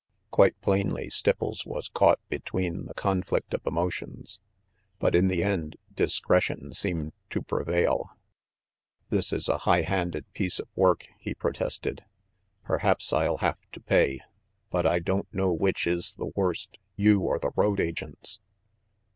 Quite plainly, Stipples was caught between the conflict of emotions; but in the end discretion seemed to prevail. "This is a' high handed piece of work," he pro tested. "Perhaps I'll have to pay. But I don't know which is the worst, you or the road agents."